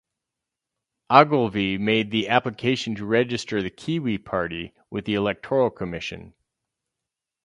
Ogilvy made the application to register the Kiwi Party with the Electoral Commission.